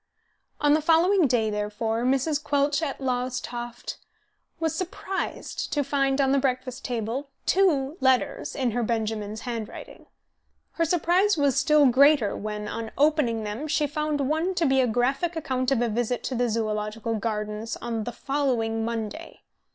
On the following day, therefore, Mrs. Quelch at Lawestoft was surprised to find on the breakfast table two letters in her Benjamin's handwriting. Her surprise was still greater when, on opening them, she found one to be a graphic account of a visit to the Zoological Gardens on the following Monday.